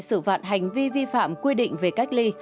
xử phạt hành vi vi phạm quy định về cách ly